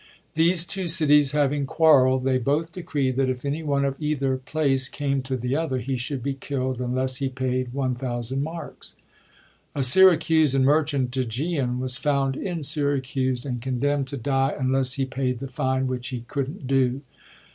These two cities having quarreld, they both decreed that if any one of either place came to the other, he should be killd unless he paid 1,000 marks. A Syracusan merchant, ^geon, was found in Syracuse and condemnd to die unless he paid the fine, which he couldn't do.